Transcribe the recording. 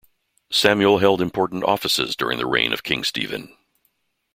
Samuel held important offices during the reign of King Stephen.